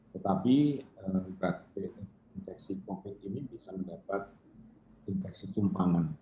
tetapi infeksi covid ini bisa mendapat infeksi tumpangan